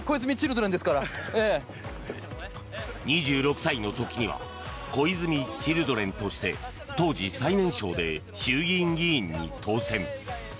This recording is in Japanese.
２６歳の時には小泉チルドレンとして当時最年少で衆議院議員に当選。